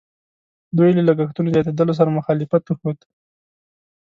دوی له لګښتونو زیاتېدلو سره مخالفت وښود.